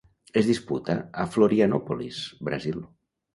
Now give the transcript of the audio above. Es disputa a Florianópolis, Brasil.